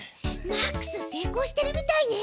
マックス成功してるみたいね。